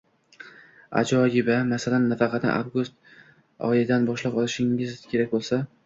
Ajoyib-a? Masalan, nafaqani avgust oyidan boshlab olishingiz kerak bo‘lsa